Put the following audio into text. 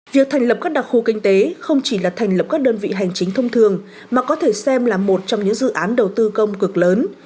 việc thành lập các đặc khu kinh tế không chỉ là thành lập các đơn vị hành chính thông thường mà có thể xem là một trong những dự án đầu tư công cực lớn